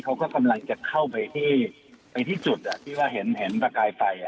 เฒี่ยงที่กำลังจะเข้าไปที่จุดเห็นประกายไฟ